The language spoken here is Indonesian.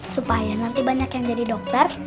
supaya nanti banyak yang jadi dokter